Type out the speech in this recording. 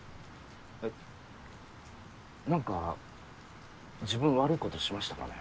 なんか自分悪いことしましたかね？